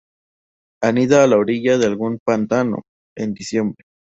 Anida a la orilla de algún pantano, en diciembre.